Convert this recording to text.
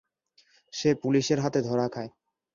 সে পুলিশের হাতে ধরা খায়।